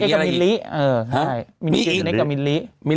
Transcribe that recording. ดีเจสเนกส์คือมิ้นลิ